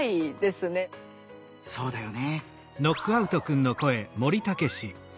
そうだよね。